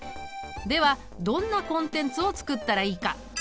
ではどんなコンテンツを作ったらいいか？